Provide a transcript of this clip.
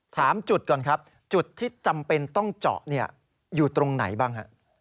ถามจุดก่อนครับจุดที่จำเป็นต้องเจาะอยู่ตรงไหนบ้างฮะ